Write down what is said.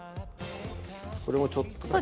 これもちょっとだけ。